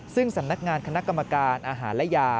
ซึ่งสำนักงานคณะกรรมการอาหารและยา